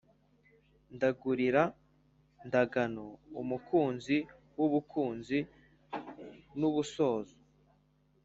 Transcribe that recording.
ndagurira ndagano umuhinza w'u bukunzi n'u busozo.